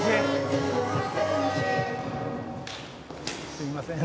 「すいませんって」